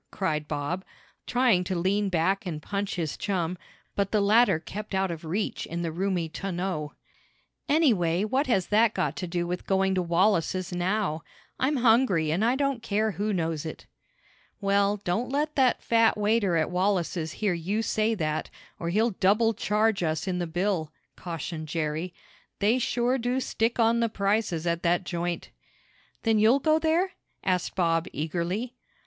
cried Bob, trying to lean back and punch his chum, but the latter kept out of reach in the roomy tonneau. "Anyhow, what has that got to do with going to Wallace's now? I'm hungry and I don't care who knows it." "Well, don't let that fat waiter at Wallace's hear you say that, or he'll double charge us in the bill," cautioned Jerry. "They sure do stick on the prices at that joint." "Then you'll go there?" asked Bob eagerly.